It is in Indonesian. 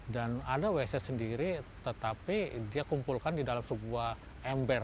dan ada wc sendiri tetapi dia kumpulkan di dalam sebuah ember